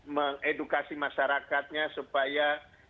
mengedukasi masyarakatnya supaya